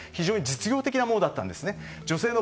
非常に実用的なものだったんですね。